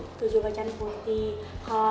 jadi tujuh baju putih kalah